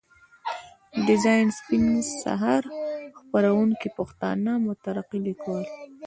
ډيزاين سپين سهار، خپروونکی پښتانه مترقي ليکوال.